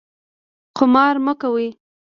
قمار مه کوئ